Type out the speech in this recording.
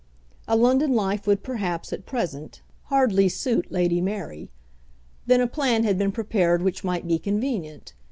A London life would perhaps, at present, hardly suit Lady Mary. Then a plan had been prepared which might be convenient.